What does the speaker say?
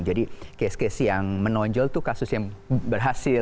jadi kes kes yang menonjol itu kasus yang berhasil